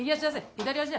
左足！